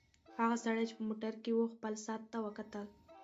هغه سړی چې په موټر کې و خپل ساعت ته وکتل.